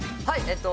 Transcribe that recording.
はい。